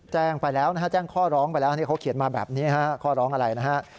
แจ้งไปแล้วนะฮะแจ้งข้อร้องไปแล้วนี่เขาเขียนมาแบบนี้ฮะข้อร้องอะไรนะฮะ